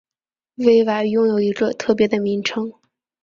威瓦拥有一个特别的名称。